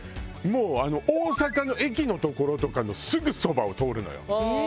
もう大阪の駅の所とかのすぐそばを通るのよ。